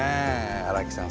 荒木さん